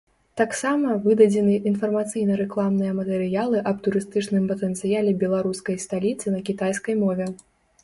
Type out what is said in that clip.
Таксама выдадзены інфармацыйна-рэкламныя матэрыялы аб турыстычным патэнцыяле беларускай сталіцы на кітайскай мове.